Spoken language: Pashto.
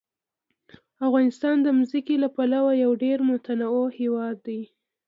افغانستان د ځمکه له پلوه یو ډېر متنوع هېواد دی.